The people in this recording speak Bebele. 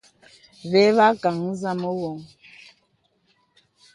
Vè và kàŋə zàmā woŋ.